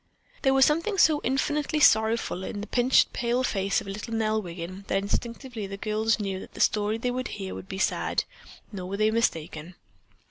There was something so infinitely sorrowful in the pale pinched face of little Nell Wiggin that instinctively the girls knew that the story they would hear would be sad, nor were they mistaken.